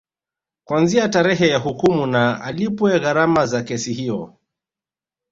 Kuanzia tarehe ya hukumu na alipwe gharama za kesi hiyo